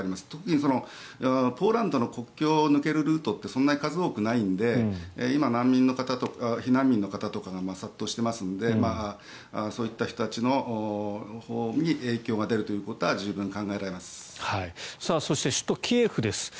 特にポーランドの国境を抜けるルートってそんなに数が多くないので今、避難民の方とかが殺到していますのでそういった人たちのほうに影響が出るということはそして首都キエフです。